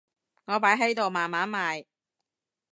我擺喺度慢慢賣